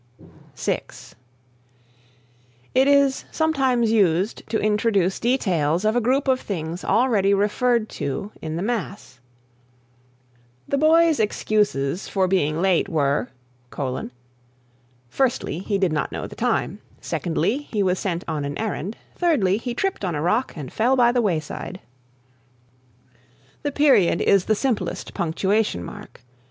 (6) It is sometimes used to introduce details of a group of things already referred to in the mass: "The boy's excuses for being late were: firstly, he did not know the time, secondly, he was sent on an errand, thirdly, he tripped on a rock and fell by the wayside." The Period is the simplest punctuation mark.